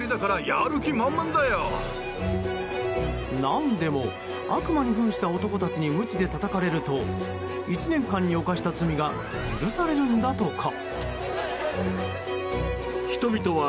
何でも、悪魔に扮した男たちにむちでたたかれると１年間に犯した罪が許されるんだとか。